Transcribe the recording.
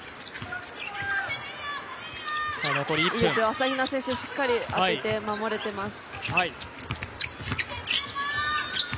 朝比奈選手、しっかり当てて、守れています。